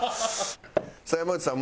さあ山内さん